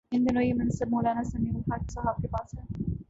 ان دنوں یہ منصب مو لانا سمیع الحق صاحب کے پاس ہے۔